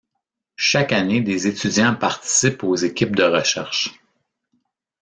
Chaque année des étudiants participent aux équipes de recherche.